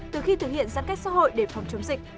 từ khi thực hiện giãn cách xã hội để phòng chống dịch